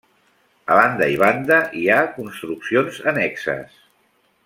A banda i banda hi ha construccions annexes.